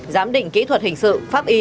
giám định kỹ thuật hình sự pháp y